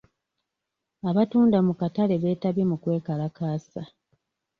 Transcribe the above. Abatunda mu katale beetabye mu kwekalakaasa.